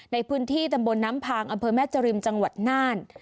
ในพื้นที่ตำบลน้ำพางอำเภอแม่จริมจังหวัดน่าน